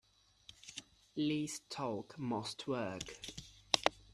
Least talk most work.